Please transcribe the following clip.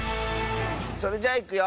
それじゃいくよ！